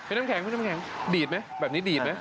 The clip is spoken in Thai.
น้ำแข็งคุณน้ำแข็งดีดไหมแบบนี้ดีดไหม